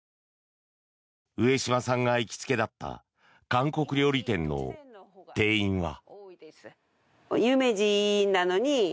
上島さんが行きつけだった韓国料理店の店員は。